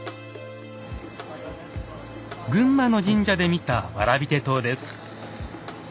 群馬の神社で見た蕨手刀です。